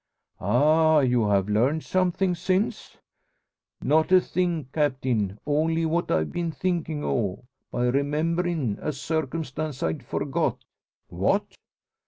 "Ah! You have learnt something since?" "Not a thing, Captain. Only what I've been thinkin' o' by rememberin' a circumstance I'd forgot." "What?"